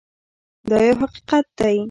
دا یو حقیقت دی.